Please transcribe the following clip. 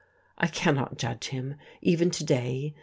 I cannot judge him, even to day.